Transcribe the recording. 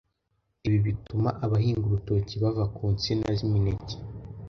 Ibi bituma abahinga urutoki bava ku nsina z'imineke